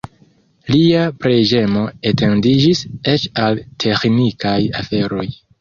Lia preĝemo etendiĝis eĉ al teĥnikaj aferoj.